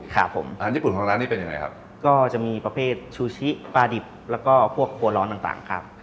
ครับผมอาหารญี่ปุ่นของร้านนี้เป็นยังไงครับก็จะมีประเภทชูชิปลาดิบแล้วก็พวกครัวร้อนต่างต่างครับ